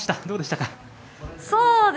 どうでしたか？